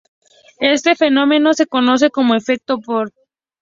Este fenómeno se conoce como efecto Bohr.